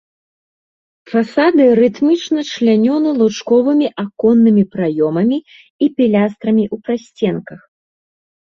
Фасады рытмічна члянёны лучковымі аконнымі праёмамі і пілястрамі ў прасценках.